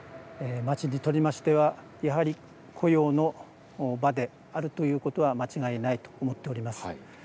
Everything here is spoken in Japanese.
町にとりましては、やはり雇用の場であるということは間違いないと思っております。